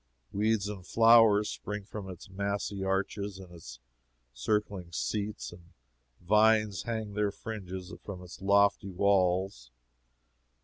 Weeds and flowers spring from its massy arches and its circling seats, and vines hang their fringes from its lofty walls.